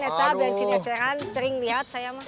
eta bensin eceran sering liat saya mah